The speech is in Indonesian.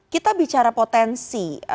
kita bicara potensi